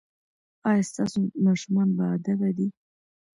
ایا ستاسو ماشومان باادبه دي؟